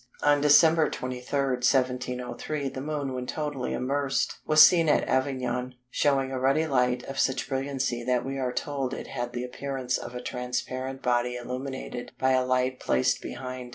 On December 23, 1703, the Moon when totally immersed was seen at Avignon showing a ruddy light of such brilliancy that we are told it had the appearance of a transparent body illuminated by a light placed behind.